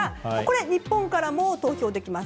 日本からもこれは投票できます。